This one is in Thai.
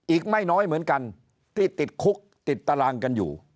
อีกไม่น้อยเหมือนกันที่ติดคุกติดตารางกันอยู่